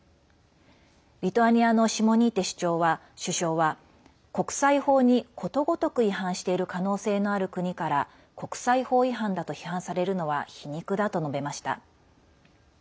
リトアニアのシモニーテ首相は国際法に、ことごとく違反している可能性のある国から国際法違反だと批判されるのは皮肉だと述べました。